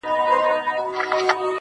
• و قاضي صاحب ته ور کړې زر دیناره..